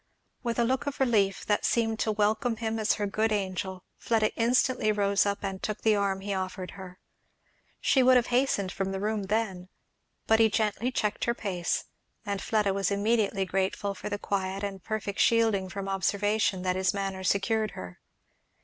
With a look of relief that seemed to welcome him as her good angel, Pleda instantly rose up, and took the arm he offered her. She would have hastened from the room then, but he gently checked her pace; and Fleda was immediately grateful for the quiet and perfect shielding from observation that his manner secured her.